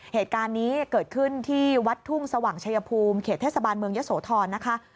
เหตุการณ์นี้เกิดขึ้นที่วัดทุ่งสว่างชายภูมิเขตเทศบาลเมืองยะโสธรนะคะ